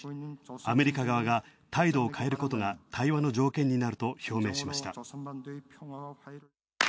アメリカ側が態度を変えることが対話の条件になると表明しました